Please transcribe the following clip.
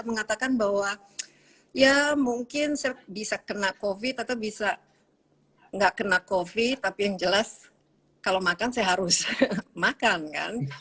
mengatakan bahwa ya mungkin saya bisa kena covid atau bisa nggak kena covid tapi yang jelas kalau makan saya harus makan kan